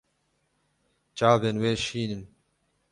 Çavên wê şîn in.